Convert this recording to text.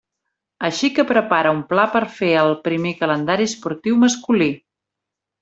Així que prepara un pla per fer el primer calendari esportiu masculí.